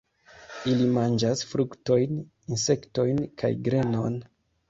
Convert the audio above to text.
Ili manĝas fruktojn, insektojn kaj grenon.